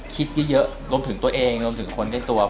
คิดเยอะรวมถึงตัวเองรวมถึงคนใกล้ตัว